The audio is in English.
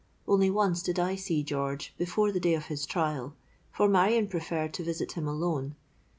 Once only did I see George before the day of his trial; for Marion preferred to visit him alone.